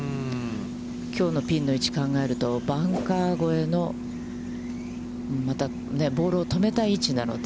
きょうのピンの位置を考えると、バンカー越えのボールを止めたい位置なので。